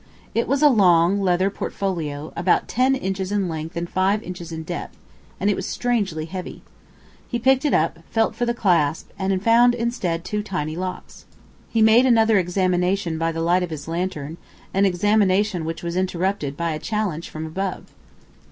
It was a long, leather portfolio, about ten inches in length and five inches in depth, and it was strangely heavy. He picked it up, felt for the clasp, and found instead two tiny locks. He made another examination by the light of his lantern, an examination which was interrupted by a challenge from above.